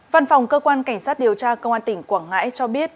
văn phòng cơ quan cảnh sát điều tra công an tỉnh quảng ngãi cho biết